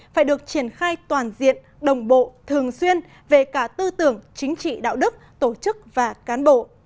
phải được triển khai toàn diện đồng bộ thường xuyên về cả tư tưởng chính trị đạo đức tổ chức và cán bộ